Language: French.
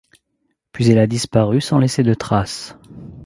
Puis elle a disparu sans laisser de traces.